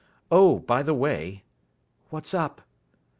Oh, by the way " "What's up?"